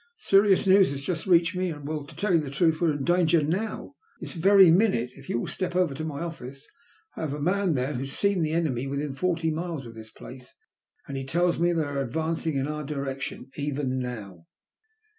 Serious news has just reached me, and — well, to tell you the truth, we are in danger now, this very minute. If you will step over to my oflSce, I have a man there who has seen the enemy within forty miles of this place, and he tells me they are advancing in our direction even now."